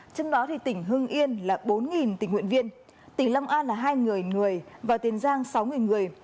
trên đó thì tỉnh hưng yên là bốn tình nguyện viên tỉnh lâm an là hai người và tiền giang sáu người